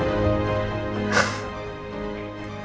habis jengukin si